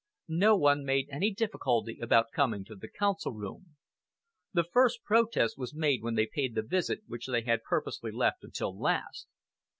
No one made any difficulty about coming to the Council room. The first protest was made when they paid the visit which they had purposely left until last.